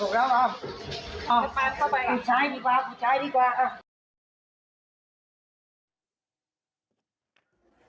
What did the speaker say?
กูใช้ดีกว่า